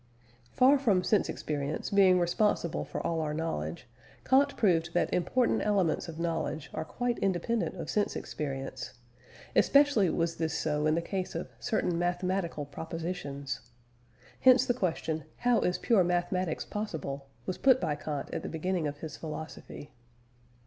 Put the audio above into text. Far from sense experience being responsible for all our knowledge, Kant proved that important elements of knowledge are quite independent of sense experience; especially was this so in the case of certain mathematical propositions. (Hence the question, How is pure mathematics possible? was put by Kant at the beginning of his philosophy.)